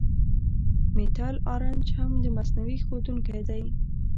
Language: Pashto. میتایل آرنج هم مصنوعي ښودونکی دی.